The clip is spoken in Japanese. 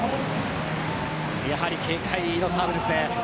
やはり警戒のサーブですね。